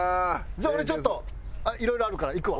じゃあ俺ちょっといろいろあるから行くわ。